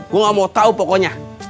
gua ngga mau tau pokoknya